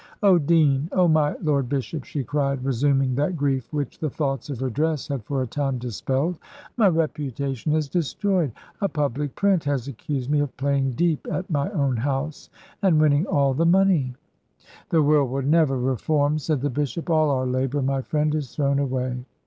"Oh, Dean! oh, my Lord Bishop!" she cried, resuming that grief which the thoughts of her dress had for a time dispelled "My reputation is destroyed a public print has accused me of playing deep at my own house, and winning all the money." "The world will never reform," said the bishop: "all our labour, my friend, is thrown away."